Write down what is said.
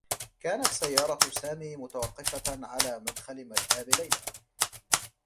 كانت سيّارة سامي متوقّفة على مدخل مرآب ليلى.